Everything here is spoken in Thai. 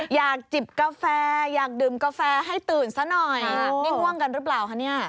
อยากจิบกาแฟอยากดื่มกาแฟให้ตื่นซะหน่อย